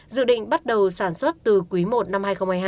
dự định bắt đầu sản xuất từ quý i năm hai nghìn hai mươi hai